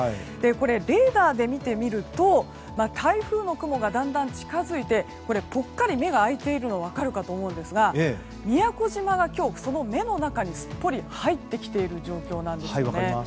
これ、レーダーで見てみると台風の雲がだんだん近づいてぽっかり目が開いているのが分かるかと思うんですが宮古島が今日その目の中にすっぽり入ってきている状況なんですね。